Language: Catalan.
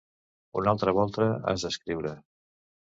Una altra volta, has d'escriure.